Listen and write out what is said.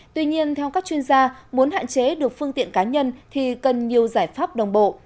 tuy nhiên theo các chuyên gia muốn hạn chế được phương tiện cá nhân thì cần nhiều giải pháp đồng bộ